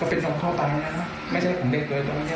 ก็เป็นนมข้อตายนะไม่ใช่ของเด็กเลยตอนนี้นะ